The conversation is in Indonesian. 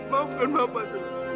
maafkan bapak sheila